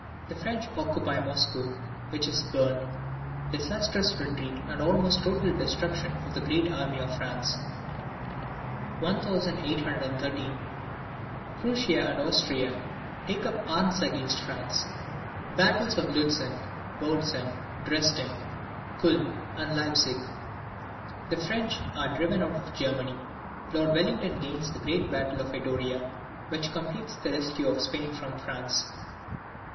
The French occupy Moscow, which is burned. Disastrous retreat and almost total destruction of the great army of France. 1813. Prussia and Austria take up arms again against France. Battles of Lutzen, Bautzen, Dresden, Culm, and Leipsic. The French are driven out of Germany. Lord Wellington gains the great battle of Vittoria, which completes the rescue of Spain from France.